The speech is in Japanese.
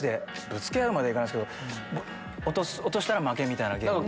ぶつけ合うまで行かないですけど落としたら負けみたいなゲーム。